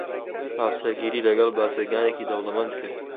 هاوسەرگیریی لەگەڵ بازرگانێکی دەوڵەمەند کرد.